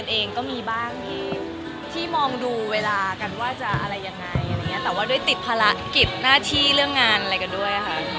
อเรนนี่พอขอทำงานเก็บเงินก่อนให้กันพร้อมแล้วเดี๋ยวบอกเลยเนี่ย